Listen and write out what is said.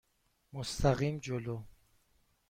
مستقیم جلو.